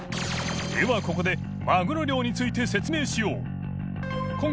ここでマグロ漁について説明しよう